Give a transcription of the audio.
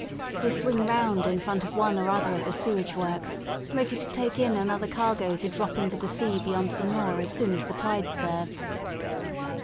they swing round in front of one or other of the sewage works, ready to take in another cargo to drop into the sea beyond the Nore as soon as the tide serves.